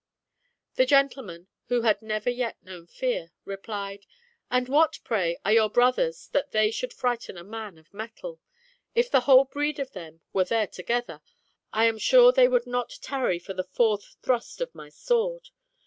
The gentleman, who had never yet known fear, replied " And what, pray, are your brothers that they should frighten a man of mettle ? If the whole breed of them were there together, I am sure they would not tarry for the fourth thrust of my sword.